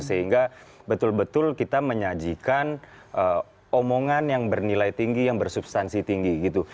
sehingga betul betul kita menyajikan omongan yang bernilai tinggi yang bersubstansi tinggi gitu